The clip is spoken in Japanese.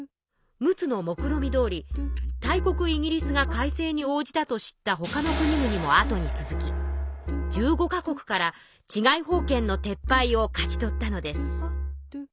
陸奥のもくろみどおり大国イギリスが改正に応じたと知ったほかの国々も後に続き１５か国から治外法権の撤廃を勝ち取ったのです。